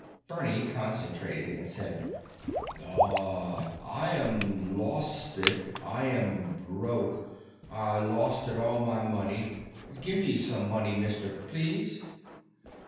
Bernie concentrated and said, "Duh. I yam losted. I yam broke. I losted all my money. Gimme some money, mister, please?"